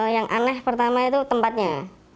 yang aneh pertama itu tempatnya